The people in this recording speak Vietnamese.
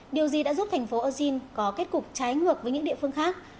điều gì đã giúp thành phố auzin có kết cục trái ngược với những địa phương khác